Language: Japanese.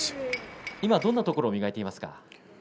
今、どんなところを磨いていますか？